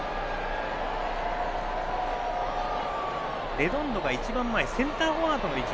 レドンドが一番前のセンターフォワードの位置。